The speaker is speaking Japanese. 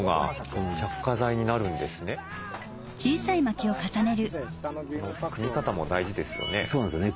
この組み方も大事ですよね。